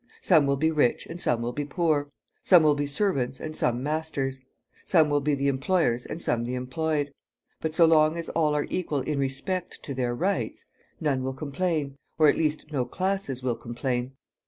Some will be rich and some will be poor; some will be servants and some masters; some will be the employers and some the employed; but, so long as all are equal in respect to their rights, none will complain or, at least, no classes will complain.